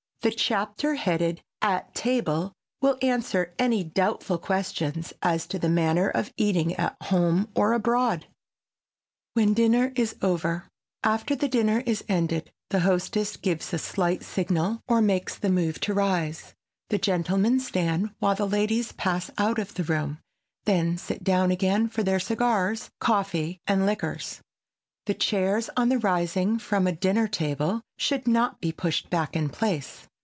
The chapter headed "At Table" will answer any doubtful questions as to the manner of eating at home or abroad. [Sidenote: WHEN DINNER IS OVER] After the dinner is ended, the hostess gives a slight signal, or makes the move to rise. The gentlemen stand while the ladies pass out of the room, then sit down again for their cigars, coffee and liquors. The chairs, on rising from a dinner table, should not be pushed back in place.